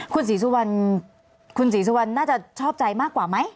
คุณศรีสุวรรณน่าจะชอบใจมากกว่าไหม